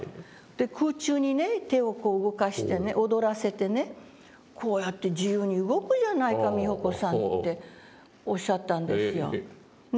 空中にね手をこう動かしてね躍らせてね「こうやって自由に動くじゃないか美穂子さん」っておっしゃったんですよね。